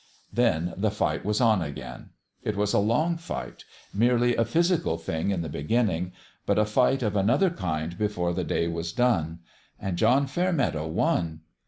Then the fight was on again. It was a long fight merely a physical thing in the beginning, but a fight of another kind before the day was done. And John Fairmeadow won.